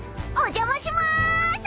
お邪魔します！